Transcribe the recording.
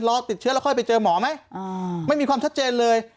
ติดเชื้อแล้วค่อยไปเจอหมอไหมไม่มีความชัดเจนเลย